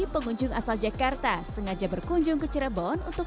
pengunjung asal jakarta sengaja berkunjung ke cirebon untuk